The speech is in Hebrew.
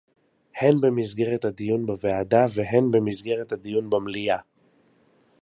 הן במסגרת הדיון בוועדה והן במסגרת הדיון במליאה